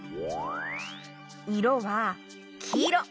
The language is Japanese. いろはきいろ。